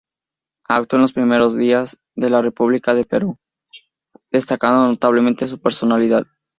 Actuó en los primeros días de la República del Perú, destacando notablemente su personalidad.